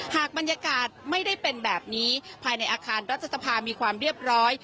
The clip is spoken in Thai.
หากบรรยากาศไม่ได้เป็นแบบนี้ภายในอาคารรัฐสภามีความเรียบร้อย